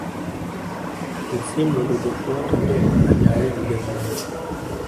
msimu uliyofuata pep alihamia ujerumani